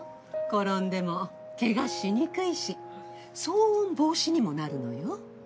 転んでもケガしにくいし騒音防止にもなるのよ。